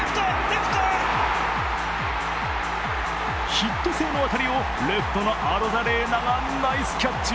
ヒット性の当たりをレフトのアロザレーナがナイスキャッチ。